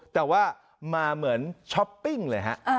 แต่ว่ามาเหมือนช้อปปิ้งเลยฮะ